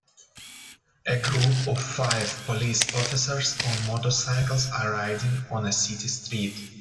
A group of five police officers on motorcycles are riding on a city street.